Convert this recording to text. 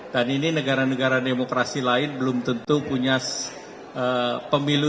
dan ini negara negara demokrasi lain belum tentu punya pemilu